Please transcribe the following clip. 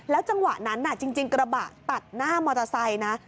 จังหวะนั้นจริงกระบะตัดหน้ามอเตอร์ไซค์นะ